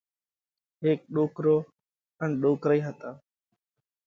هيڪ ڏوڪرو ان ڏوڪرئِي هتا۔